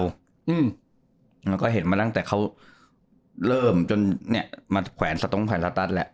แล้วก็เห็นมาตั้งแต่เขาเริ่มจนเนี่ยมาแขวนสตรงไวรัสแหละ